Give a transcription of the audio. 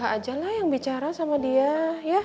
akang abah ajalah yang bicara sama dia ya